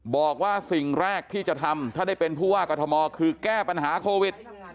บอกว่าสิ่งแรกที่จะทำถ้าได้เป็นผู้ว่ากรทมคือแก้ปัญหาโควิด